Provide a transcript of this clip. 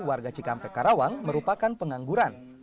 warga cikampek karawang merupakan pengangguran